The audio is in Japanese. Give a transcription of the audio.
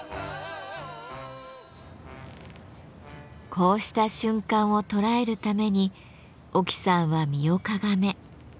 こうした瞬間を捉えるために沖さんは身をかがめカメラを構えます。